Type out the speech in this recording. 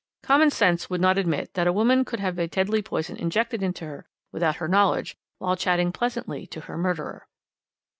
Common sense would not admit that a woman could have a deadly poison injected into her without her knowledge, while chatting pleasantly to her murderer.